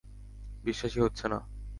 বিশ্বাসই হচ্ছে না!